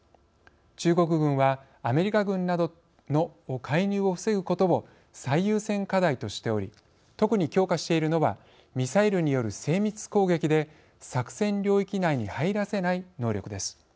中国軍は、アメリカ軍などの介入を防ぐことを最優先課題としており特に強化しているのはミサイルによる精密攻撃で作戦領域内に入らせない能力です。